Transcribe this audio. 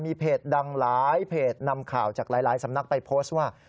มีเพจดังหลายเพจนำข่าวจากหลายสำนักไปโพสต์ว่า